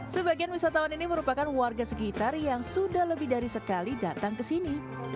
sebagian wisatawan ini merupakan warga sekitar yang sudah lebih dari sekali datang ke sini